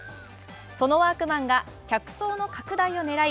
そのワークマンが客層の拡大を狙い